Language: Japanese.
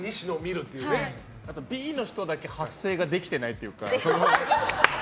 あとＢの人だけ発声ができてないというか。